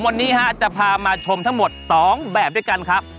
วันนี้จะพามาชมทั้งหมด๒แบบด้วยกันครับ